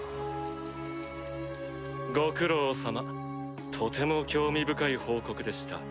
ご苦労さまとても興味深い報告でした。